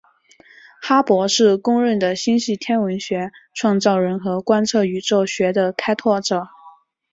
哈勃是公认的星系天文学创始人和观测宇宙学的开拓者。